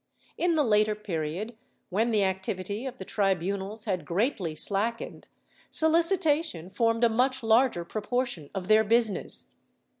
^ In the later period, when the activity of the tribunals had greatly slack ened, solicitation formed a much larger proportion of their busi ness.